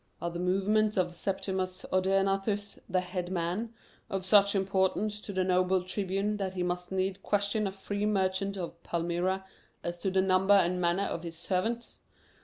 "Are the movements of Septimus Odaenathus, the head man, of such importance to the noble tribune that he must needs question a free merchant of Palmyra as to the number and manner of his servants?"